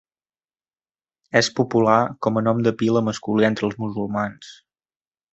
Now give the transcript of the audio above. És popular com a nom de pila masculí entre els musulmans.